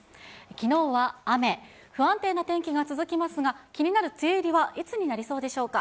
きのうは雨、不安定な天気が続きますが、気になる梅雨入りはいつになりそうでしょうか。